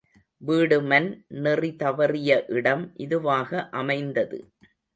வீடுமன் நெறிதவறிய இடம் இதுவாக அமைந்தது.